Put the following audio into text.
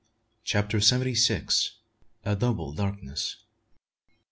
CHAPTER SEVENTY SIX. A DOUBLE DARKNESS.